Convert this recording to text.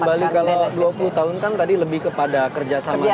kembali kalau dua puluh tahun kan tadi lebih kepada kerjasama di building